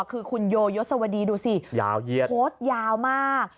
คือคุณโยยศวดีดูสิโพสต์ยาวมาก